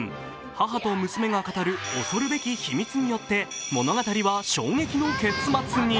母と娘が語る恐るべき秘密によって、物語は衝撃の結末に。